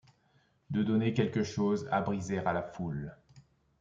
De donner quelque chose à briser à la foule !